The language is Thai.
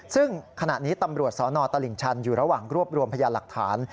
ซึ่งขณะนี้ตำรวจสนตลิ่งชันอยู่ระหว่างรวบรวมพยานหลักฐาน